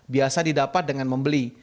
biasa didapat dengan membeli